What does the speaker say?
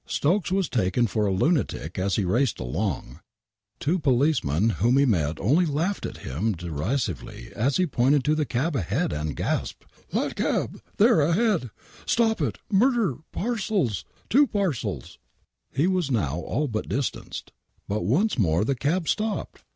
Stokes was taken for a lunatic as he raced along. Two police men whom he met only laughed at him derisively as he pointed to the cab ahead ana rasped :" That cab — there, ahead." " Stop it — ^murder — parcels —" "Twoparcels— !!!" He was now all but distanced ! But, once more the cab stopped